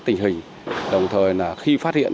tình hình đồng thời là khi phát hiện